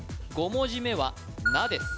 ５文字目は「な」です